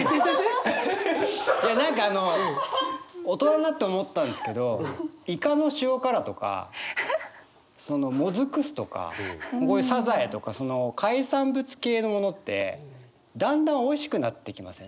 何かあの大人になって思ったんですけどいかの塩辛とかそのもずく酢とかこういうサザエとか海産物系のものってだんだんおいしくなってきません？